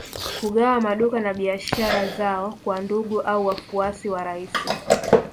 Kugawa maduka na biashara zao kwa ndugu au wafuasi wa rais